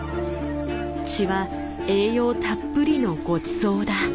血は栄養たっぷりのごちそうだ。